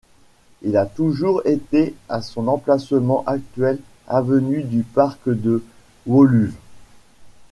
Il a toujours été à son emplacement actuel avenue du Parc de Woluwe.